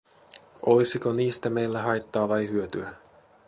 Olisiko niistä meille haittaa vai hyötyä?